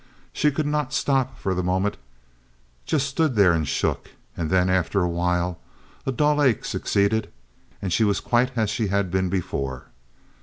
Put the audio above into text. She could not stop for the moment, just stood there and shook, and then after a while a dull ache succeeded, and she was quite as she had been before.